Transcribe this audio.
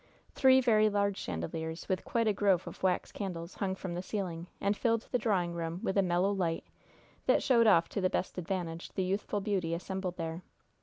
Three very large chandeliers, with quite a grove of wax candles, hung from the ceiling, and filled the drawing room with a mellow light that showed off to the best advantage the youthful beauty assembled there.